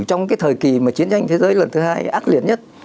trong cái thời kỳ mà chiến tranh thế giới lần thứ hai ác liệt nhất